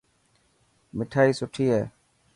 مٺائي سٺي ٺاهي هي.